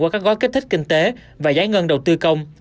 qua các gói kích thích kinh tế và giải ngân đầu tư công